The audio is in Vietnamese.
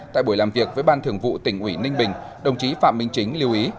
tại buổi làm việc với ban thường vụ tỉnh ủy ninh bình đồng chí phạm minh chính lưu ý